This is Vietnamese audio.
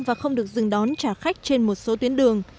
và không được dừng đón trả khách trên một số tuyến đường